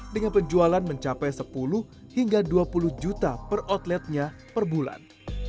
dengan penjualan mencapai sepuluh hingga dua puluh juta per outletnya per bulan